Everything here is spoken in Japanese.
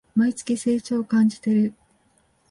毎月、成長を感じてる